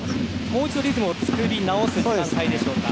もう一度、リズムを作り直す時間帯でしょうか。